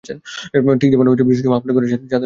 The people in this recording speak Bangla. ঠিক যেমন বৃষ্টির সময় আপনার ঘরের ছাদ আপনাকে রক্ষা করে।